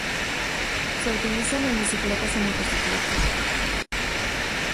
Se utilizan en bicicletas y motocicletas.